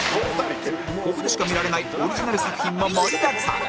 ここでしか見られないオリジナル作品も盛りだくさん